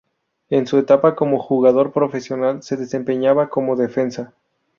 En su etapa como jugador profesional se desempeñaba como defensa.